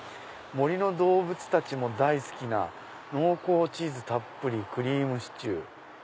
「森のどうぶつたちも大好きな濃厚チーズたっぷりクリームシチュー」。